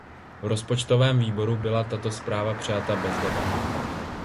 V Rozpočtovém výboru byla tato zpráva přijata bez debat.